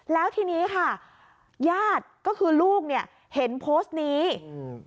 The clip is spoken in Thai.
แล้วทีนี้ค่ะญาติก็คือลูกเนี้ยเห็นโพสต์นี้อืม